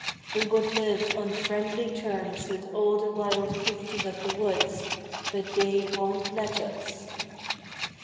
We would live on friendly terms with all the wild creatures of the woods, but they won't let us."